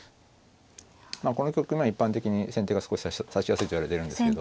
この局面は一般的に先手が少し指しやすいといわれてるんですけど。